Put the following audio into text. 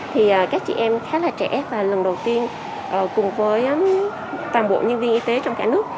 thì các chị em khá là trẻ và lần đầu tiên cùng với toàn bộ nhân viên y tế trong cả nước